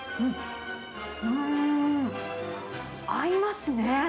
うん、合いますね。